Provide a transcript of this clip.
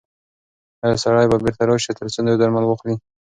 ایا سړی به بیرته راشي ترڅو نور درمل واخلي؟